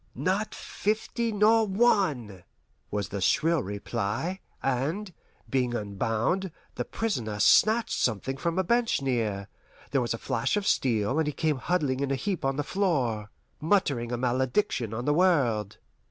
"Not fifty nor one!" was the shrill reply, and, being unbound, the prisoner snatched something from a bench near; there was a flash of steel, and he came huddling in a heap on the floor, muttering a malediction on the world.